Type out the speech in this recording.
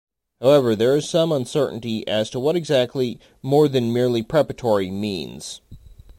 However, there is some uncertainty as to what exactly 'more than merely preparatory' means.